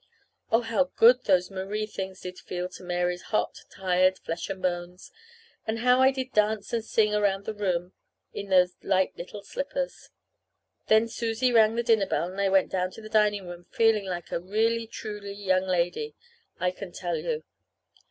Oh, how good those Marie things did feel to Mary's hot, tired flesh and bones, and how I did dance and sing around the room in those light little slippers! Then Susie rang the dinner bell and I went down to the dining room feeling like a really truly young lady, I can tell you.